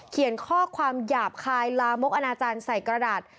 เขียนข้อความหยาบคายลามกอนาจารย์ใส่กระดาษ